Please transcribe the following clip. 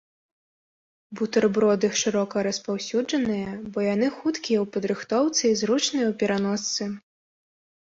Бутэрброды шырока распаўсюджаныя, бо яны хуткія ў падрыхтоўцы і зручныя ў пераносцы.